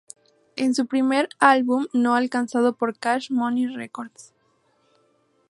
Es su primer álbum no lanzado por Cash Money Records.